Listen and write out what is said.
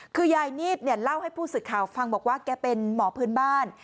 คือยายนีดเนี่ยเล่าให้ผู้สื่อข่าวฟังบอกว่าแกเป็นหมอพื้นบ้าน